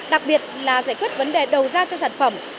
đặc biệt là giải quyết vấn đề đầu ra cho sản phẩm